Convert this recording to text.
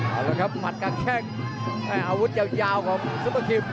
เอาละครับหมัดกับแข้งอาวุธยาวของซุปเปอร์คิม